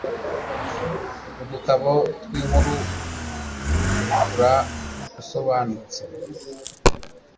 udutabo tw'inkuru kura usobanutse